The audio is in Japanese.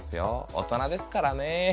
大人ですからね。